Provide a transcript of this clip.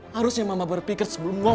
harusnya mama berpikir sebelum uang